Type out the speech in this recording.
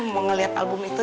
mau ngeliat album itu